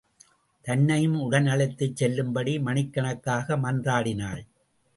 தன்னையும் உடன் அழைத்துச் செல்லும்படி மணிக்கணக்காக மன்றாடினாள்.